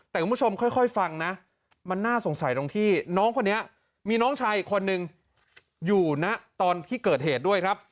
แต่คุณผู้ชมค่อยฟังนะมันน่าสงสัยตรงที่น้องคนนี้มีน้องชายอีกคนนึงอยู่ณตอนที่เกิดเหตุด้วยครับ